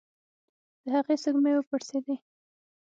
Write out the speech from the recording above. د هغې سږمې وپړسېدلې.